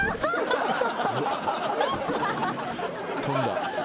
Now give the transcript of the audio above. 飛んだ。